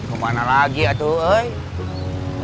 kenapa asyik staring